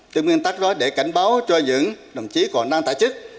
từ nguyên tắc đó để cảnh báo cho những đồng chí còn đang tài chức